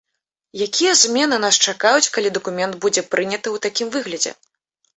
Якія змены нас чакаюць, калі дакумент будзе прыняты ў такім выглядзе?